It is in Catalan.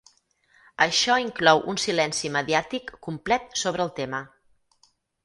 Això inclou un silenci mediàtic complet sobre el tema.